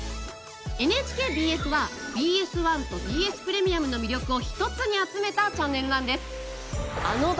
ＮＨＫＢＳはＢＳ１とＢＳプレミアムの魅力を一つに集めたチャンネルなんです。